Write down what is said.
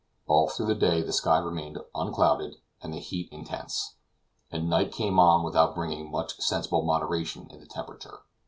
All through the day the sky remained unclouded and the heat intense; and night came on without bringing much sensible moderation in the temperature.